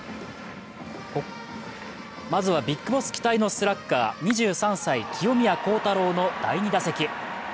まずはＢＩＧＢＯＳＳ期待のスラッガー２３歳、清宮幸太郎の第２打席。